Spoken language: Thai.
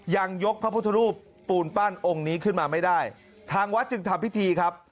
ยังยกพระพุทธรูปปูนปั้นองค์นี้ขึ้นมาไม่ได้ทางวัดจึงทำพิธีครับ